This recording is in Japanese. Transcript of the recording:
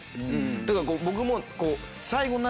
だから僕も。